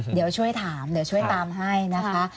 เดี๋ยวช่วยถามเดี๋ยวช่วยตามให้นะคะ